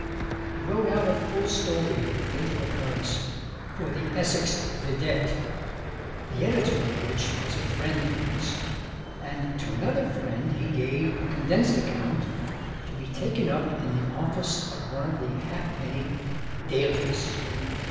He wrote out a full story of the fatal occurrence for the Essex Vedette, the editor of which was a friend of his, and to another friend he gave a condensed account, to be taken up to the office of one of the halfpenny dailies.